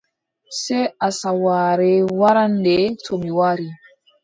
Sey asawaare warande, to mi wari.